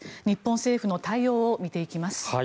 日本政府の対応を見ていきます。